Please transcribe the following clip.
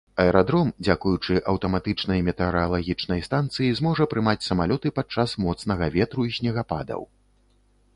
Аэрадром, дзякуючы аўтаматычнай метэаралагічнай станцыі, зможа прымаць самалёты падчас моцнага ветру і снегападаў.